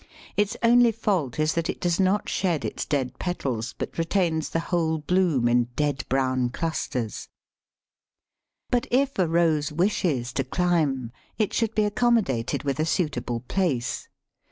Its only fault is that it does not shed its dead petals, but retains the whole bloom in dead brown clusters. But if a Rose wishes to climb, it should be accommodated with a suitable place.